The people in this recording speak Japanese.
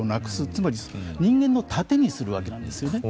つまり、人間の盾にするわけなんですよね。